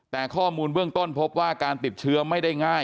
แต่ข้อมูลเบื้องต้นพบว่าการติดเชื้อไม่ได้ง่าย